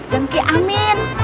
dan ke amin